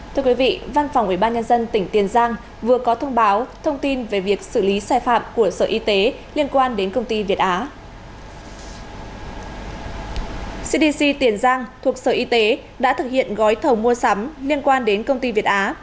thưa quý vị văn phòng ubnd tỉnh tiền giang vừa có thông báo thông tin về việc xử lý sai phạm của sở y tế liên quan đến công ty việt á